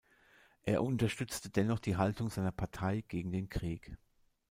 Er unterstützte dennoch die Haltung seiner Partei gegen den Krieg.